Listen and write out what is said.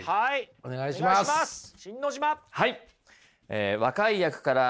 お願いします。